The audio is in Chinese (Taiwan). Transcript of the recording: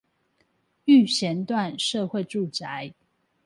育賢段社會住宅